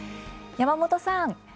山本さん。